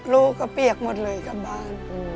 ลูกก็เปียกหมดเลยกลับบ้าน